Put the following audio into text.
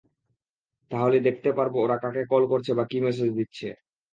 তাহলে দেখতে পারব ওরা কাকে কল করছে বা কী মেসেজ দিচ্ছে।